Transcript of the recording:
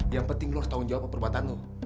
yang penting lo harus tanggung jawab perbuatan lo